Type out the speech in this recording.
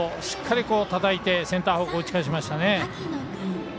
しっかり、たたいてセンター方向打ち返しましたね。